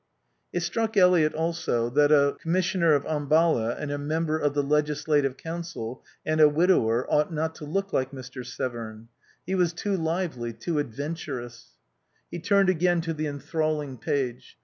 It struck Eliot also that a Commissioner of Ambala and a Member of the Legislative Council and a widower ought not to look like Mr. Severn. He was too lively, too adventurous. He turned again to the enthralling page.